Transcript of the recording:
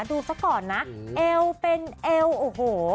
ดูซะก่อนนะเอวเป็นเอวโอ้โห